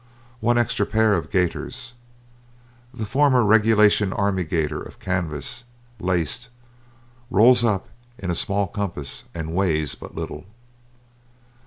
One extra pair of gaiters. The former regulation army gaiter of canvas, laced, rolls up in a small compass and weighs but little.